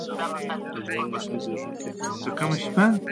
د دویم ماشوم زېږون کې احتمالي خطر شته.